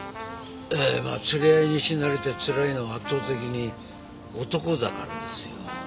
ええまあ連れ合いに死なれてつらいのは圧倒的に男だからですよ。